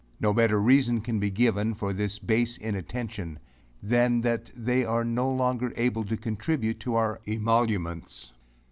No better reason can be given for this base inattention, than that they are no longer able to contribute to our emoluments.